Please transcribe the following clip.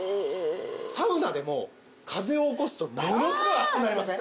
サウナでも風を起こすとものすごい熱くなりません？